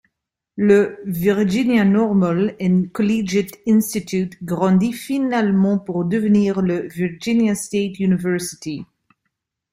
Le Virginia Normal and Collegiate Institute grandit finalement pour devenir le Virginia State University.